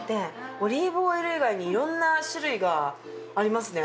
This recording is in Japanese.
オリーブオイル以外にいろんな種類がありますね。